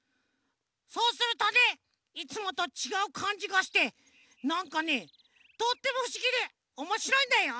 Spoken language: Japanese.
そうするとねいつもとちがうかんじがしてなんかねとってもふしぎでおもしろいんだよ！